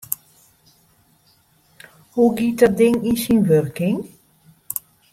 Hoe giet dat ding yn syn wurking?